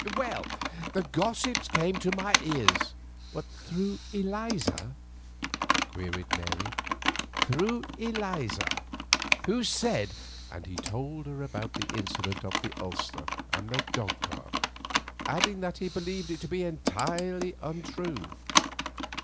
"Well, the gossip came to my ears——" "Through Eliza?" queried Mary. "Through Eliza—who said——" and he told her about the incident of the ulster and the dog cart, adding that he believed it to be entirely untrue.